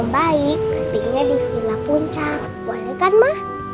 boleh kan ma